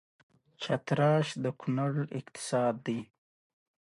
د جغل خواص په هغه تیږه پورې اړه لري چې ترې جوړیږي